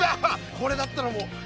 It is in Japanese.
これだったらもう。